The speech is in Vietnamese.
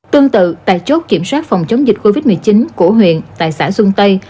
tương tự tại chốt kiểm soát phòng chống dịch covid một mươi chín của huyện tại xã xuân tây